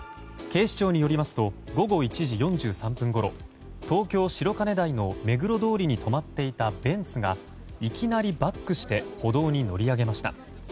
警視庁によりますと午後１時４３分ごろ東京・白金台の目黒通りに止まっていたベンツがいきなりバックして歩道に乗り上げました。